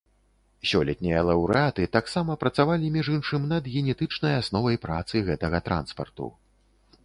Сёлетнія лаўрэаты таксама працавалі, між іншым, над генетычнай асновай працы гэтага транспарту.